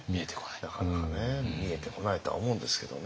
なかなかね見えてこないとは思うんですけどね。